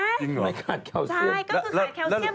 ใช่ใช่สายแคลเซียม